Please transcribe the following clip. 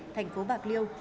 thành phố bạc liêu